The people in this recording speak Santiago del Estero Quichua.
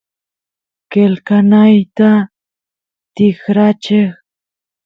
qelqanayta tikracheq